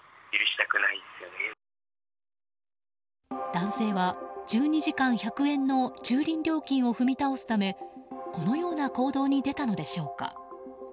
男性は１２時間１００円の駐輪料金を踏み倒すためこのような行動に出たのでしょうか。